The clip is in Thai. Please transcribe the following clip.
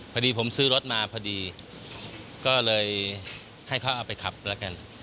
พอดีผมซื้อรถมาพอดีก็เลยให้เขาเอาไปขับแล้วกัน